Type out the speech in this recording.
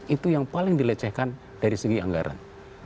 itu yang paling dilecehkan dari segi anggaran